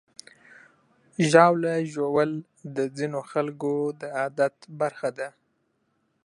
ژاوله ژوول د ځینو خلکو د عادت برخه ده.